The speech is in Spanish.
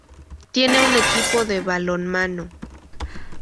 Tiene un equipo de balonmano.